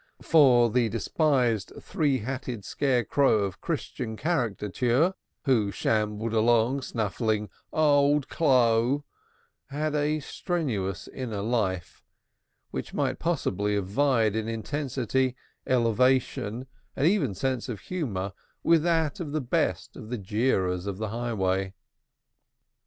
For the despised three hatted scarecrow of Christian caricature, who shambled along snuffling "Old clo'," had a strenuous inner life, which might possibly have vied in intensity, elevation, and even sense of humor, with that of the best of the jeerers on the highway.